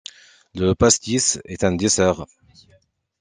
Le pastis est un dessert.